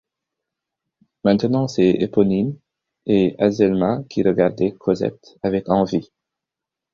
Maintenant c’était Éponine et Azelma qui regardaient Cosette avec envie.